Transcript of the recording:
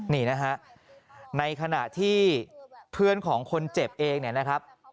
นี่นะฮะในขณะที่เพื่อนของคนเจ็บเองเนี่ยนะครับ